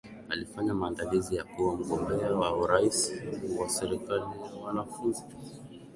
alifanya maandalizi ya kuwa mgombea wa uraisi wa serkali ya wanafunzi